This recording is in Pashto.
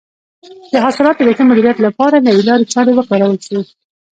د حاصلاتو د ښه مدیریت لپاره نوې لارې چارې وکارول شي.